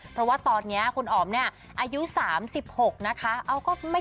เพราะว่าตอนนี้คุณอ๋อมเนี่ยอายุ๓๖นะคะ